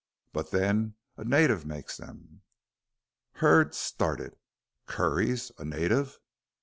"But, then, a native makes them." Hurd started. "Curries a native?"